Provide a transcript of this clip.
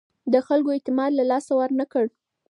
ده د خلکو اعتماد له لاسه ورنه کړ.